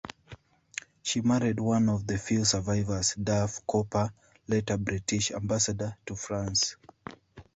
She married one of the few survivors, Duff Cooper, later British Ambassador to France.